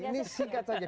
ini singkat saja